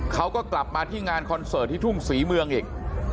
เขาก็กลับมาที่งานคอนเสิร์ตที่ทุ่งศรีเมืองอีก